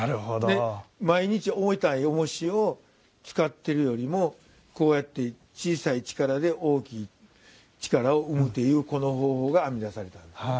毎日、重たいおもしを使っているよりもこうやって小さい力で大きい力を生むというこの方法が編み出された。